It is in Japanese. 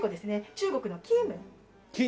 中国のキームン。